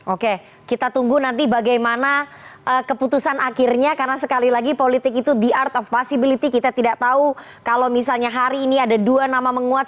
oke kita tunggu nanti bagaimana keputusan akhirnya karena sekali lagi politik itu the art of possibility kita tidak tahu kalau misalnya hari ini ada dua nama menguat